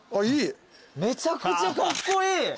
めちゃくちゃカッコイイ。